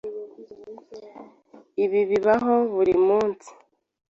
Ibi bibaho buri munsi.